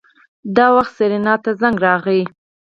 دا وخت سېرېنا ته زنګ راغی.